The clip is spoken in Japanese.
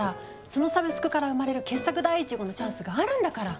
そのサブスクから生まれる傑作第１号のチャンスあるんだから。